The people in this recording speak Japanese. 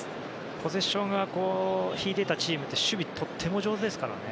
ポゼッションで引いていたチームって上手ですからね。